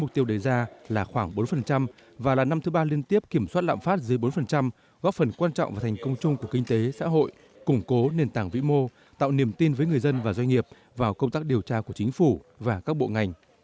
mục tiêu đề ra là khoảng bốn và là năm thứ ba liên tiếp kiểm soát lạm phát dưới bốn góp phần quan trọng vào thành công chung của kinh tế xã hội củng cố nền tảng vĩ mô tạo niềm tin với người dân và doanh nghiệp vào công tác điều tra của chính phủ và các bộ ngành